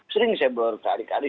sering saya berkata